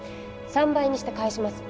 ３倍にして返します。